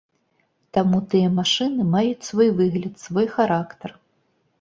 Таму тыя машыны маюць свой выгляд, свой характар.